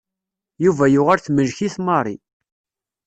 Yuba yuɣal temmlek-it Mary.